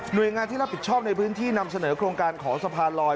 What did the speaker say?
โดยงานที่รับผิดชอบในพื้นที่นำเสนอโครงการขอสะพานลอย